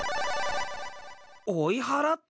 追い払った？